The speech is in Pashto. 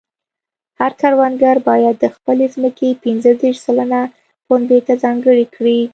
هر کروندګر باید د خپلې ځمکې پنځه دېرش سلنه پنبې ته ځانګړې کړي.